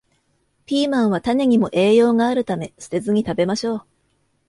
ピーマンは種にも栄養があるため、捨てずに食べましょう